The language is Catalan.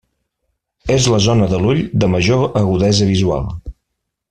És la zona de l'ull de major agudesa visual.